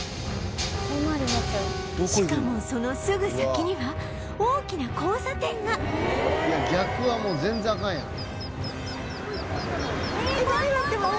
しかもそのすぐ先には大きな交差点がいや逆はもう全然アカンやん。